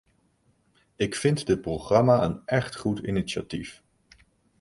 Ik vind dit programma een echt goed initiatief.